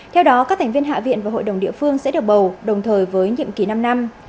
theo đó các thành viên hạ viện và hội đồng địa phương sẽ được bầu đồng thời với nhiệm kỳ năm năm